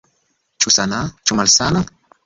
Ĉu sana, ĉu malsana?